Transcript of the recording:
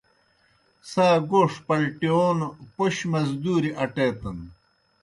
څھا گوݜ پلٹِیون پوْش مزدوریْ اٹیتَن۔